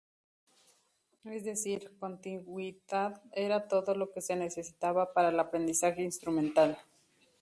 Es decir, contigüidad era todo lo que se necesitaba para el aprendizaje instrumental.